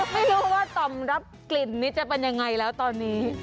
ไม่รู้ว่าต่อมรับกลิ่นนี้จะเป็นยังไงแล้วตอนนี้